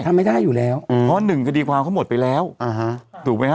ทำไม่ได้อยู่แล้วอืมเพราะหนึ่งคดีความเขาหมดไปแล้วอ่าฮะถูกไหมฮ